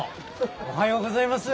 おはようございます。